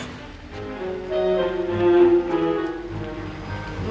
kan kita emang searah